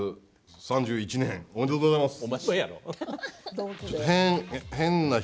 ３１年おめでとうございます。